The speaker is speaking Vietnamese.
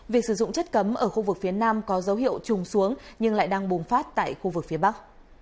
việc sử dụng chất cấm ở khu vực phía nam có dấu hiệu trùng xuống nhưng lại đang bùng phát tại khu vực phía bắc